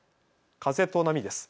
風と波です。